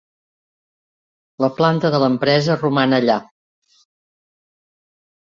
La planta de l'empresa roman allà.